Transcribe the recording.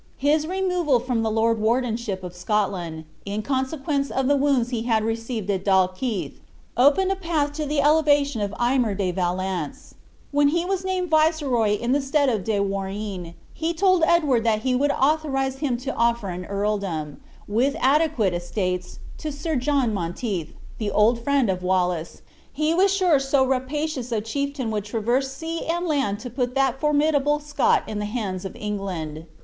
His removal from the lord wardenship of Scotland, in consequence of the wounds he had received at Dalkeith, opened a path to the elevation of Aymer de Valence. And when he was named viceroy in the stead of De Warenne, he told Edward that if he would authorize him to offer an earldom, with adequate estates, to Sir John Monteith, the old friend of Wallace, he was sure so rapacious a chieftain would traverse sea and land to put that formidable Scot in the hands of England.